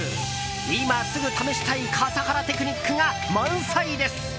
今すぐ試したい笠原テクニックが満載です。